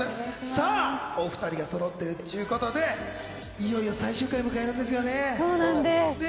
さぁ、お２人がそろってるっちゅうことで、いよいよ最終回を迎えそうなんです。